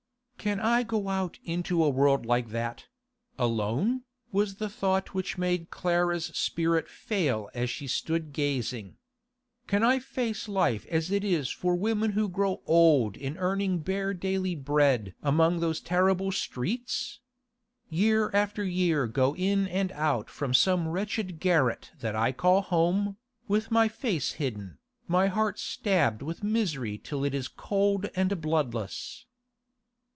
'Can I go out into a world like that—alone?' was the thought which made Clara's spirit fail as she stood gazing. 'Can I face life as it is for women who grow old in earning bare daily bread among those terrible streets? Year after year to go in and out from some wretched garret that I call home, with my face hidden, my heart stabbed with misery till it is cold and bloodless!